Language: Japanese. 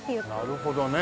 なるほどね。